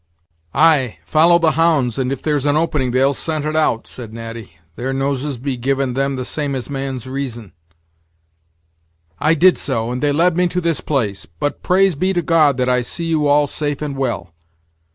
"Ay! follow the hounds, and if there's an opening they'll scent it out," said Natty; "their noses be given them the same as man's reason." "I did so, and they led me to this place; but, praise be to God that I see you all safe and well."